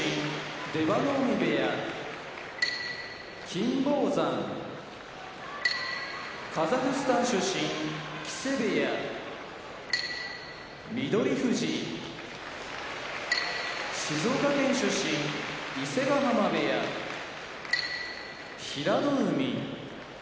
金峰山カザフスタン出身木瀬部屋翠富士静岡県出身伊勢ヶ濱部屋平戸海